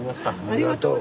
ありがとう。